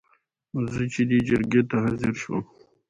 زه چې دې جرګې ته حاضر شوم.